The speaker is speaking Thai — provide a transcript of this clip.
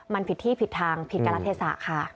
มันผิดที่ผิดทางผิดการรัฐเทศะค่ะ